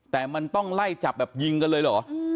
แต่มันต้องไล่จับแบบยิงกันเลยเหรอ